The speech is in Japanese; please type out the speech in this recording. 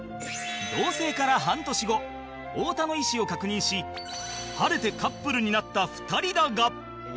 同棲から半年後太田の意思を確認し晴れてカップルになった２人だが